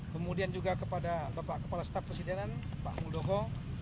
kemudian juga kepada bapak kepala staf presidenan pak muldoko